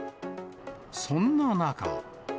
そんな中。